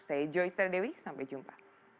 saya joy sterdewi sampai jumpa